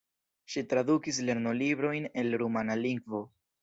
Ŝi tradukis lernolibrojn el rumana lingvo.